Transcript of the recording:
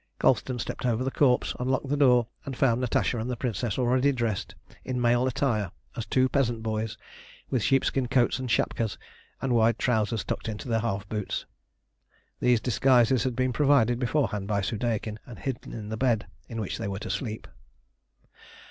Colston stepped over the corpse, unlocked the door, and found Natasha and the Princess already dressed in male attire as two peasant boys, with sheepskin coats and shapkas, and wide trousers tucked into their half boots. These disguises had been provided beforehand by Soudeikin, and hidden in the bed in which they were to sleep.